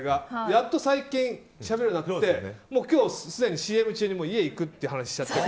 やっと最近しゃべるようになって今日、すでにＣＭ中に家に行くっていう話をして。